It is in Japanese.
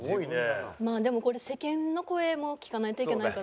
まあでもこれ世間の声も聞かないといけないから。